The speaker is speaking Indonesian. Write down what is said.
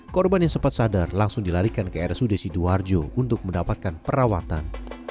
korban yang sempat sadar langsung dilarikan ke rsud sidoarjo untuk mendapatkan perawatan